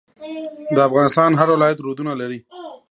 د افغانستان هر ولایت رودونه لري.